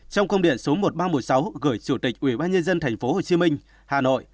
trong công điện số một nghìn ba trăm một mươi sáu gửi chủ tịch ubnd tp hcm hà nội